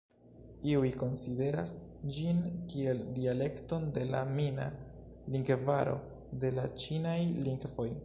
Iuj konsideras ĝin kiel dialekton de la mina lingvaro de la ĉinaj lingvoj.